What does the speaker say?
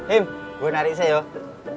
im gue narik sih yuk